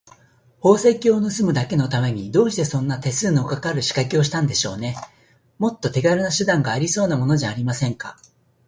宝石をぬすむだけのために、どうしてそんな手数のかかるしかけをしたんでしょうね。もっと手がるな手段がありそうなものじゃありませんか。